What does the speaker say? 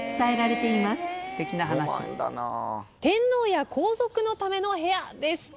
天皇や皇族のための部屋でした。